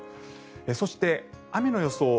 そして、雨の予想。